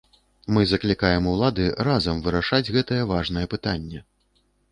Мы заклікаем улады разам вырашаць гэтае важнае пытанне.